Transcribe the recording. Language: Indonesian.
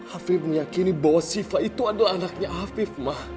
afif meyakini bahwa siva itu adalah anaknya afif ma